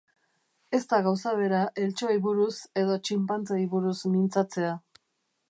Ez da gauza bera eltxoei buruz edo txinpantzeei buruz mintzatzea.